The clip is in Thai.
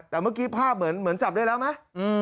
แต่เมื่อกี้ภาพเหมือนจับได้แล้วไหม